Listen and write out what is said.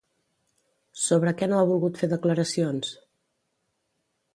Sobre què no ha volgut fer declaracions?